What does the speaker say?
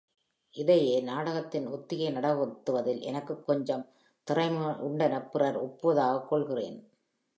இதையே நாடகத்தின் ஒத்திகை நடத்துவதில் எனக்குக் கொஞ்சம் திறமையுண் டெனப் பிறர் ஒப்புவதாகக் கொள்கிறேன்.